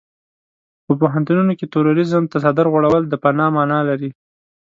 په پوهنتونونو کې تروريزم ته څادر غوړول د فناه مانا لري.